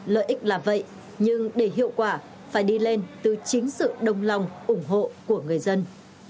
lợi ích là vậy nhưng để hiệu quả phải đi lên từ chính sự đồng lòng ủng hộ của người dân